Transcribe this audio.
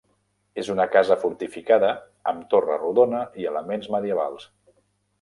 És una casa fortificada amb torre rodona i elements medievals.